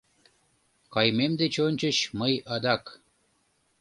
Кайымем деч ончыч мый адак